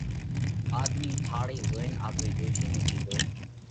آۮمِي ٿاۯِئِي زوئينَ آپرِي ڏوشِي نئہ ڪِيڌو: